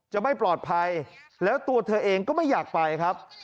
จะไม่ปลอดภัยแล้วตัวเธอเองก็ไม่อยากไปครับ